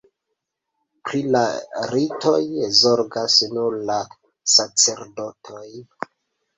Pri la ritoj zorgas nur la sacerdotoj.